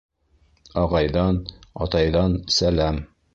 Ағайҙан, атайҙан сәләм